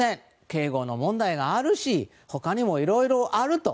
警護の問題があるし他にもいろいろあると。